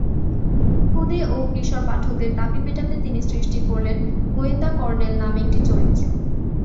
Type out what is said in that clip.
ক্ষুদে ও কিশোর পাঠকদের দাবি মেটাতে তিনি সৃষ্টি করলেন "গোয়েন্দা কর্নেল" নামে একটি চরিত্র।